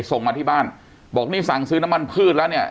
ส่งมาที่บ้านบอกนี่สั่งซื้อน้ำมันพืชแล้วเนี่ย